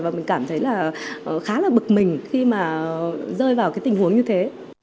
và mình cảm thấy là khá là bực mình khi mà rơi vào cái tình huống như thế